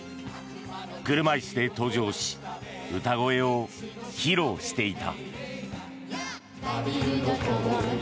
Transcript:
車椅子で登場し歌声を披露していた。